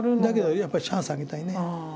だけどやっぱりチャンスあげたいね。